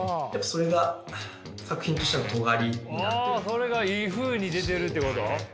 あそれがいいふうに出てるってこと？